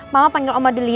mama panggil oma dulu ya